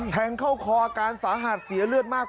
แทงเข้าคออาการสาหัสเสียเลือดมาก